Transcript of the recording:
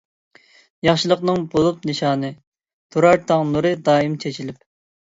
ياخشىلىقنىڭ بولۇپ نىشانى، تۇرار تاڭ نۇرى دائىم چېچىلىپ.